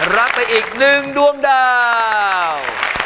รับไปอีกหนึ่งดวมดาว